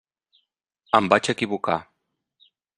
Em vaig equivocar.